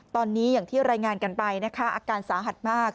ตอนนี้อย่างที่รายงานกันไปนะคะอาการสาหัสมาก